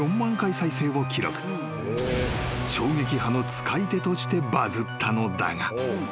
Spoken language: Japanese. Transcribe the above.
［衝撃波の使い手としてバズったのだが］